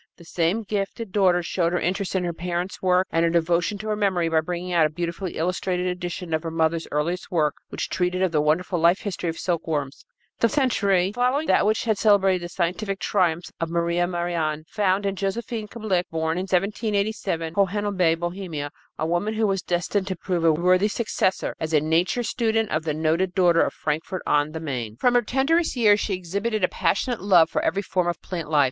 The same gifted daughter showed her interest in her parent's work and her devotion to her memory by bringing out a beautifully illustrated edition of her mother's earliest work which treated of the wonderful life history of silkworms. The century following that which had celebrated the scientific triumphs of Maria Merian found in Josephine Kablick, born in 1787 in Hohenelbe, Bohemia, a woman who was destined to prove a worthy successor, as a nature student, of the noted daughter of Frankfort on the Main. From her tenderest years she exhibited a passionate love for every form of plant life.